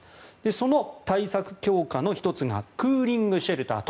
その対策強化の１つがクーリングシェルターと。